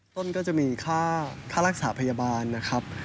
ต้นก็จะมีค่ารักษาพยาบาลนะครับ